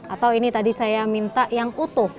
atau ini tadi saya minta yang utuh